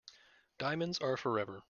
Diamonds are forever.